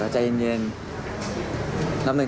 ช่ายเย็นตั้งแต่๑ถึง๑๐๐๐๐๐๐